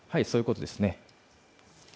そういうことですね。